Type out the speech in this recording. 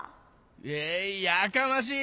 えいやかましい！